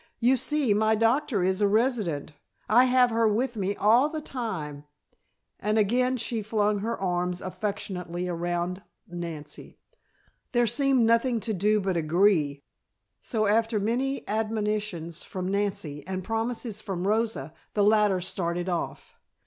You see, my doctor is a resident. I have her with me all the time," and again she flung her arms affectionately around Nancy. There seemed nothing to do but agree, so after many admonitions from Nancy and promises from Rosa, the latter started off.